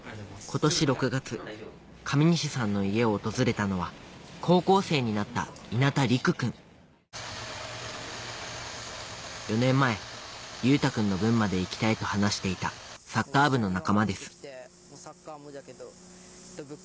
今年６月上西さんの家を訪れたのは高校生になった４年前優太くんの分まで生きたいと話していたサッカー部の仲間です